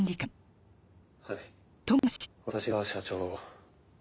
はい私が相沢社長を。